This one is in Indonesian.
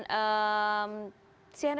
siana indonesia prime